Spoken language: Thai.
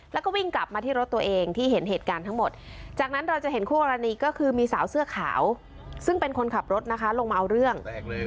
แล้วก็วิ่งกลับมาที่รถตัวเองที่เห็นเหตุการณ์ทั้งหมดจากนั้นเราจะเห็นคู่กรณีก็คือมีสาวเสื้อขาวซึ่งเป็นคนขับรถนะคะลงมาเอาเรื่อง